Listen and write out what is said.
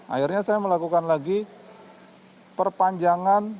akhirnya saya melakukan lagi perpanjangan